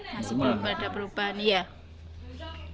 masih belum ada perubahan